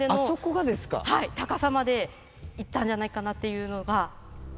高さまでいったんじゃないかなというのが。